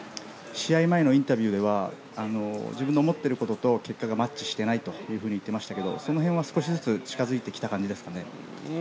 試合前のインタビューでは自分の思っていることと結果がマッチしてないと言ってましたけどその辺は少しずつ近付いてきた感じですかね。